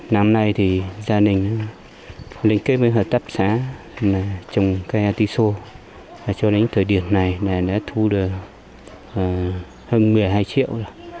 năm nay thì gia đình linh kết với hợp tác xã trồng cây atxo cho đến thời điểm này đã thu được hơn một mươi hai triệu